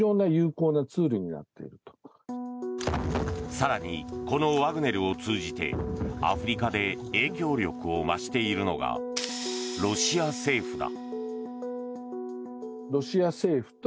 更に、このワグネルを通じてアフリカで影響力を増しているのがロシア政府だ。